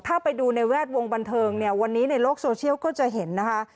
ถ้าไปดูในแวดวงบันเทิงเนี่ยวันนี้ในโลกโซเชียลก็จะเห็นนะคะ